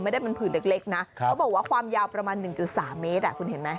ไม่ได้เป็นผื่นเล็กนะเขาบอกว่าความยาวประมาณ๑๓เมตรคุณเห็นไหม